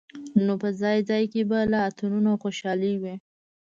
په ځای ځای کې به لا اتڼونه او خوشالۍ وې.